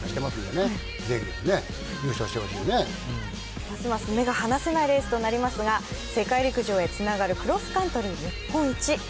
ますます目が離せないレースとなりますが、世界陸上へつながるクロスカントリー日本一。